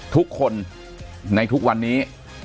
ทุกคนในทุกวันนี้